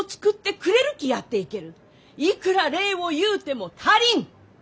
いくら礼を言うても足りん！